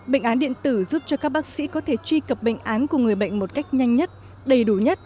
bệnh án điện tử giúp cho các bác sĩ có thể truy cập bệnh án của người bệnh một cách nhanh nhất đầy đủ nhất